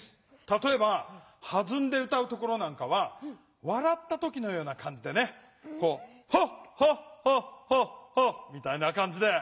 たとえばはずんで歌うところなんかはわらった時のような感じでこう「ハッハッハッハッハッ」みたいな感じで。